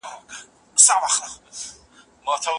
په ټول کلي کې د معلمې د کار صفتونه شروع شول.